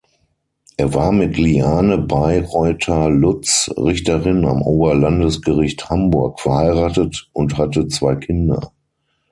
Er war mit Liane Bayreuther-Lutz, Richterin am Oberlandesgericht Hamburg, verheiratet und hatte zwei Kinder.